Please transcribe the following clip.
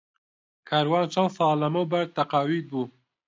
کاروان چەند ساڵ لەمەوبەر تەقاویت بوو.